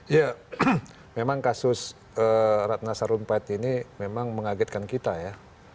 ya memang kasus ratna sarumpait ini memang mengagetkan kita ya